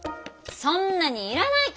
そんなにいらないから！